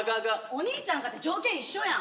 お兄ちゃんかて条件一緒やん。